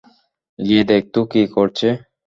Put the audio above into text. গিয়ে দেখ তো কী করছে।